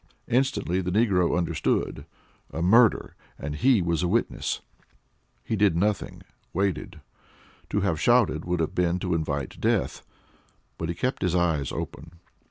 Instantly the negro understood. A murder and he was a witness! He did nothing waited. To have shouted would have been to invite death. But he kept his eyes open.